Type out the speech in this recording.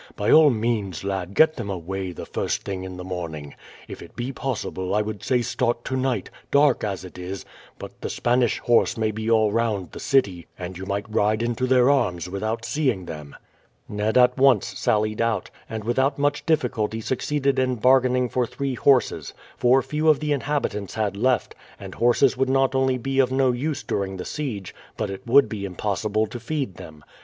By all means, lad, get them away the first thing in the morning. If it be possible I would say start tonight, dark as it is; but the Spanish horse may be all round the city, and you might ride into their arms without seeing them." Ned at once sallied out, and without much difficulty succeeded in bargaining for three horses; for few of the inhabitants had left, and horses would not only be of no use during the siege, but it would be impossible to feed them.